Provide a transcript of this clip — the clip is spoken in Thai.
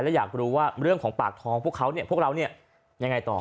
และอยากรู้ว่าเรื่องของปากท้องพวกเขาเนี่ยพวกเราเนี่ยยังไงต่อ